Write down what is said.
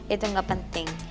itu enggak penting